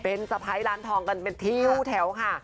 เป็นสะพ้ายร้านทองกันเป็นทิ้วแถวค่ะ